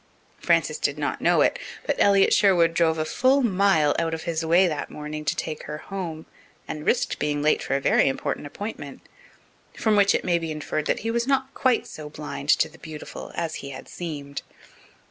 Frances did not know it, but Elliott Sherwood drove a full mile out of his way that morning to take her home, and risked being late for a very important appointment from which it may be inferred that he was not quite so blind to the beautiful as he had seemed.